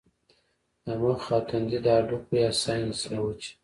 د مخ او تندي د هډوکو يا سائنسز له وجې